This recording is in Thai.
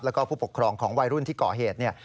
แล้วก็ผู้ปกครองของวัยรุ่นที่ก่อเหตุเนี่ย